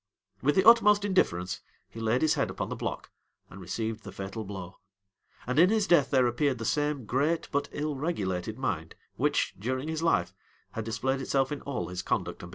[] With the utmost indifference he laid his head upon the block, and received the fatal blow; and in his death there appeared the same great, but ill regulated mind, which, during his life, had displayed itself in all his conduct and behavior.